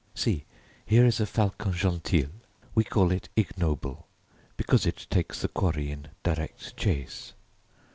"See, here is a falcon gentil. We call it 'ignoble,' because it takes the quarry in direct chase.